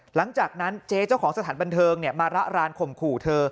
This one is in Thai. หลังจากนั้นเจ๊เจ้าของสถานบันเทิงมาระรานข่มขู่เธอ